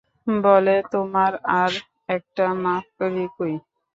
বলে, তোমার আর একটা মাকড়ি কই?